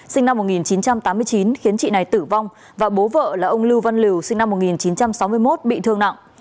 sinh năm một nghìn chín trăm tám mươi chín khiến chị này tử vong và bố vợ là ông lưu văn liều sinh năm một nghìn chín trăm sáu mươi một bị thương nặng